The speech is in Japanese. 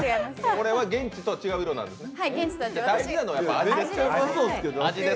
これは現地とは違う色なんですね。